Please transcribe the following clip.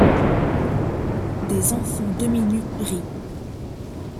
Des enfants demi-nus rient.